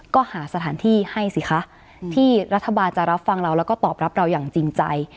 ก็หาสถานที่ให้สิคะที่รัฐบาลจะรับฟังเราแล้วก็ตอบรับเราอย่างจริงใจ